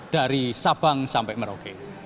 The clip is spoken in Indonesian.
dari sabang sampai merauke